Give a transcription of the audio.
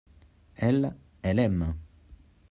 elle, elle aime.